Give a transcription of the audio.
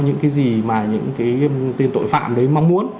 những cái gì mà những cái tên tội phạm đấy mong muốn